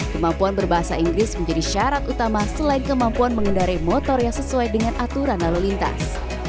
kemampuan berbahasa inggris menjadi syarat utama selain kemampuan mengendari motor yang sesuai dengan aturan lalu lintas